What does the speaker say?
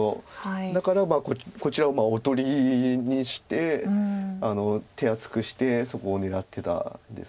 だからこちらをおとりにして手厚くしてそこを狙ってたんです。